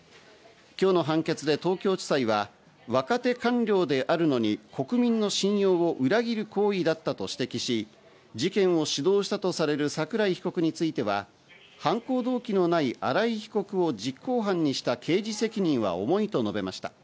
今日の判決で東京地裁は若手官僚であるのに国民の信用を裏切る行為だったと指摘し、事件を主導したとされる桜井被告については、犯行動機のない新井被告を実行犯にした刑事責任は重いと述べました。